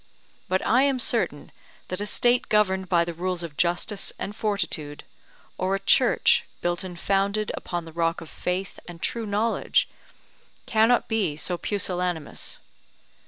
But I am certain that a State governed by the rules of justice and fortitude, or a Church built and founded upon the rock of faith and true knowledge, cannot be so pusillanimous.